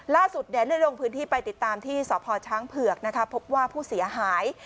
ล่าสุดได้ลงพื้นที่ไปติดตามที่สพช้างเผือกพบว่าผู้เสียหาย